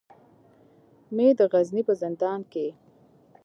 مې د غزني په زندان کې.